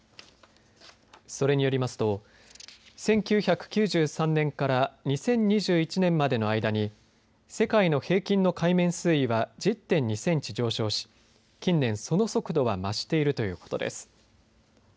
それによりますと１９９３年から２０２１年までの間に世界の平均の海面水位は１０．２センチ上昇し近年、その速度は増しているということです。